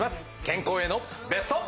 健康へのベスト。